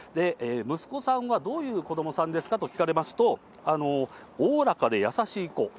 息子さんはどういう子どもさんですかと聞かれますと、おおらかで優しい子。